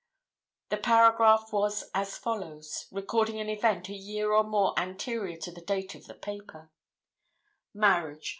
The paragraph was as follows, recording an event a year or more anterior to the date of the paper: 'MARRIAGE.